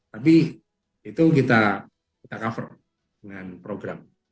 tapi itu kita cover dengan program